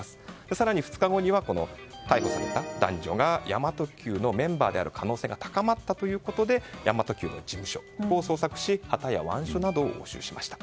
更に、２日後には逮捕された男女が神真都Ｑのメンバーである可能性が高まったということで神真都Ｑの事務所を捜索し旗や腕章などを押収しました。